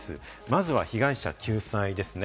まずは被害者救済ですね。